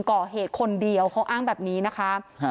ก่อเหตุคนเดียวเขาอ้างแบบนี้นะคะ